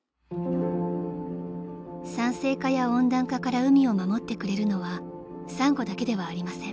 ［酸性化や温暖化から海を守ってくれるのはサンゴだけではありません］